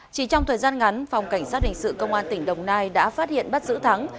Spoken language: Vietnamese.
chỉ trong thời gian ngắn phòng cảnh sát hình sự công an tỉnh đồng nai đã phát hiện bắt giữ thắng